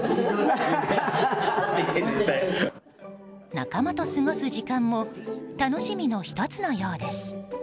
仲間と過ごす時間も楽しみの１つのようです。